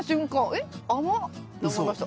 「えっ甘っ！」と思いました。